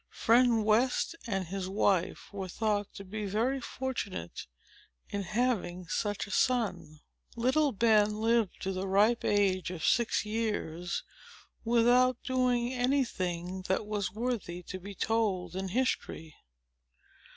Friend West and his wife were thought to be very fortunate in having such a son. Little Ben lived to the ripe age of six years, without doing any thing that was worthy to be told in history.